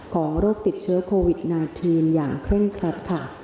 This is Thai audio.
ของโรคติดเชื้อโควิด๑๙อย่างเคร่งครัดค่ะ